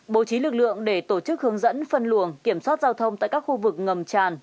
bố trí lực lượng để tổ chức hướng dẫn phân luồng kiểm soát giao thông tại các khu vực ngầm tràn